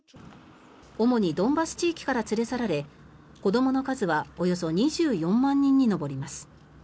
主にドンバス地域から連れ去られ子どもの数はおよそ２４万人に上ります。